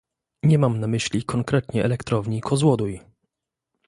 Nie mam na myśli konkretnie elektrowni Kozłoduj